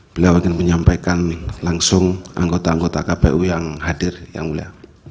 beliau ingin menyampaikan langsung anggota anggota kpu yang hadir yang mulia